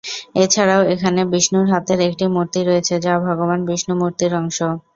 এছাড়াও এখানে বিষ্ণুর হাতের একটি মূর্তি রয়েছে যা ভগবান বিষ্ণু মূর্তির অংশ।